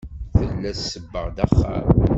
Tella tsebbeɣ-d axxam.